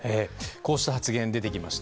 こうした発言が出てきました。